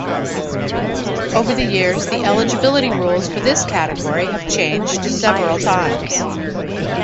Over the years, the eligibility rules for this category have changed several times.